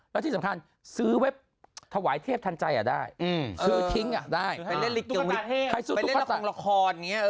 และที่สำคัญซื้อไว้ถวายเทพทันใจอ่ะได้ซื้อทิ้งอ่ะได้